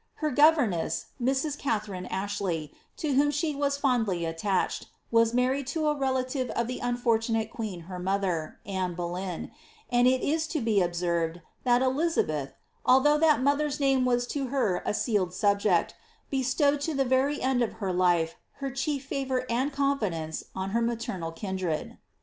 Iler governess, Mrs. Katiiarine Ashley, to whom she was fondly attached, was married to a relative of the unfortunate queen her mother, Anne Boleyn, and it 18 to be observed that Elizabeth, although that mollier's name was to her I sealed subject, bestowed to the very end of her life her chief favour ind confidence on her maternal kindred.